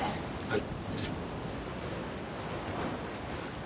はい。